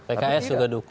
pks sudah dukung